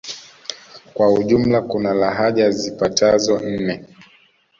Kwa ujumla kuna lahaja zipatazo nne